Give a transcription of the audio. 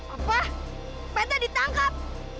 apa penta ditangkap